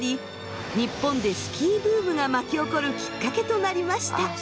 日本でスキーブームが巻き起こるきっかけとなりました。